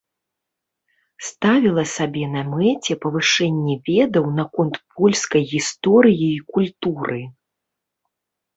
Ставіла сабе на мэце павышэнне ведаў наконт польскай гісторыі і культуры.